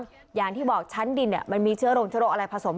เพราะฉะนั้นที่บอกชั้นดินมันมีเชื้อโรคอะไรผสม